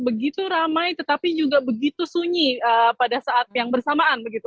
begitu ramai tetapi juga begitu sunyi pada saat yang bersamaan begitu